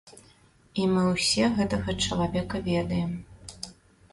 І мы ўсе гэтага чалавека ведаем.